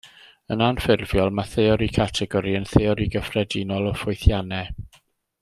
Yn anffurfiol, mae theori categori yn theori gyffredinol o ffwythiannau.